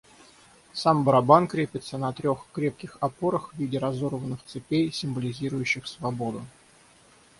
Сам барабан крепится на трех крепких опорах в виде разорванных цепей, символизирующих свободу.